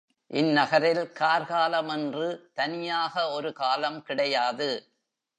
இந்நகரில் கார் காலம் என்று தனியாக ஒரு காலம் கிடையாது.